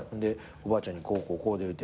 おばあちゃんにこうこうこうで。